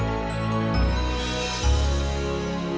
aku nggak tahu gimana caranya